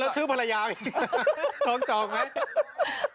แล้วชื่อภรรยาอีกคล้องจองไหม